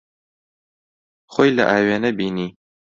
خۆی لە ئاوێنە بینی.